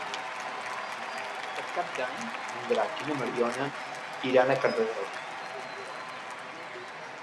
Per Cap d'Any en Drac i na Mariona iran a Cardedeu.